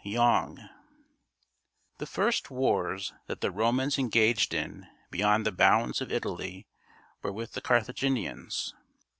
Yonge The first wars that the Romans engaged in beyond the bounds of Italy, were with the Carthaginians.